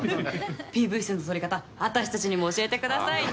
ＰＶ数の取り方私たちにも教えてくださいね。